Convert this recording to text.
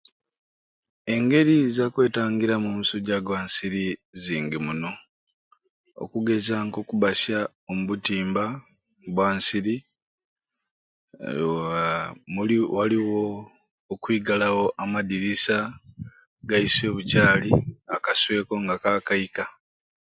Engeri za kwetangiramu omusujja gwa nsiri zingi muno okugeza okubasya omu butimba bwa nsiri haaa buli waliwo okwigalawo amadirisa gaiswe bukyali akasweko nga kakaika